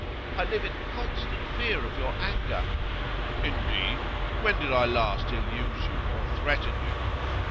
I live in constant fear of your anger.' 'Indeed? When did I last ill use you, or threaten you?